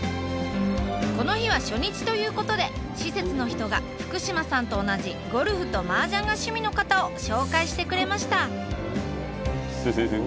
この日は初日ということで施設の人が福島さんと同じゴルフとマージャンが趣味の方を紹介してくれました。